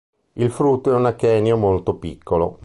Il frutto è un achenio molto piccolo.